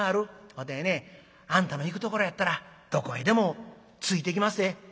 わてねあんたの行くところやったらどこへでもついていきまっせ」。